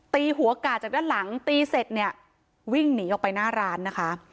ตีหัวกาดจากด้านหลังตีเสร็จเนี่ยวิ่งหนีออกไปหน้าร้านนะคะ